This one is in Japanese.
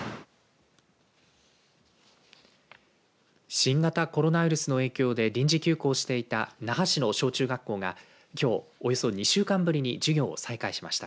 新型コロナウイルスの影響で臨時休校していた那覇市の小中学校が、きょうおよそ２週間ぶりに授業を再開しました。